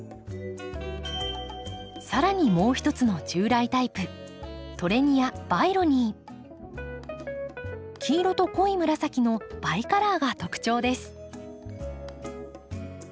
更にもう一つの従来タイプ黄色と濃い紫のバイカラーが特徴です。